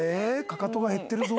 かかとが減ってるぞ」。